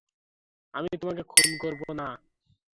আমি তোমাকে খুন করবোনা।